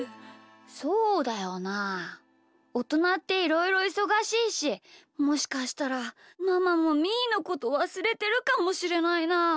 そうだよなあおとなっていろいろいそがしいしもしかしたらママもみーのことわすれてるかもしれないな。